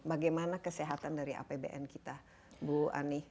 bagaimana kesehatan dari apbn kita bu ani